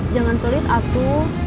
jangan pelit atu